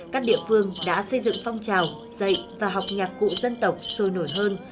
các địa phương đã xây dựng phong trào dạy và học nhạc cụ dân tộc sôi nổi hơn